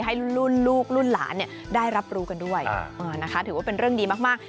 ให้รุ่นลูกรุ่นหลานได้รับรู้กันด้วยนะคะถือว่าเป็นเรื่องดีมาก